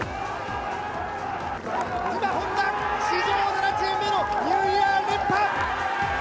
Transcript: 今ホンダ、史上７チーム目のニューイヤー連覇。